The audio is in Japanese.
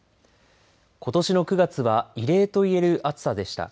ことしの９月は異例と言える暑さでした。